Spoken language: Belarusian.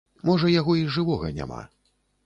Можа яго і жывога няма.